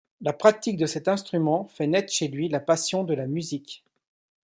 La pratique de cet instrument fait naître chez lui la passion de la musique.